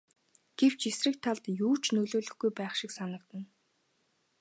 Гэвч эсрэг талд юу ч нөлөөлөхгүй байх шиг санагдана.